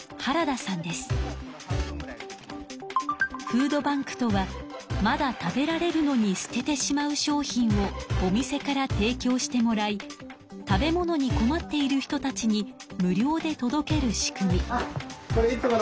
フードバンクとはまだ食べられるのに捨ててしまう商品をお店から提きょうしてもらい食べ物に困っている人たちに無料で届ける仕組み。